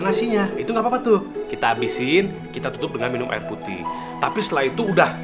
nasinya itu enggak apa apa tuh kita habisin kita tutup dengan minum air putih tapi setelah itu udah